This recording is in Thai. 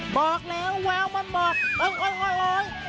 บอกแล้วแฟวมันบอกเออหลาย